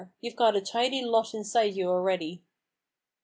You've got a tidy lot inside you already."